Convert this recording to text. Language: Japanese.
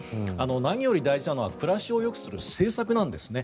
何より大事なのは暮らしをよくする政策なんですね。